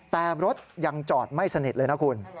แต่รถยังจอดไม่สนิทเลยนะคุณ